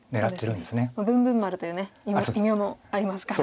ブンブン丸というね異名もありますから。